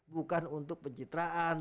bukan untuk pencitraan